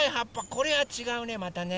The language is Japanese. これはちがうねまたね。